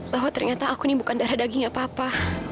bahwa ternyata aku ini bukan darah dagingnya papa